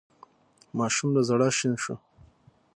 ماشوم له ژړا شين شو.